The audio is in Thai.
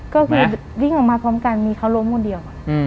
ก็คือวิ่งออกมาพร้อมกันมีเขาล้มคนเดียวค่ะ